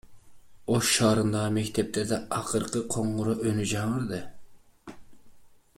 Ош шаарындагы мектептерде акыркы коңгуроо үнү жаңырды.